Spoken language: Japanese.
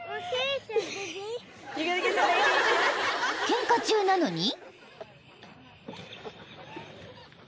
［ケンカ中なのに？］